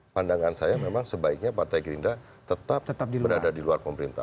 pandangan saya memang sebaiknya partai gerindra tetap berada di luar pemerintah